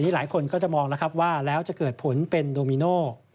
หลายคนก็จะมองแล้วครับว่าแล้วจะเกิดผลเป็นโดมิโน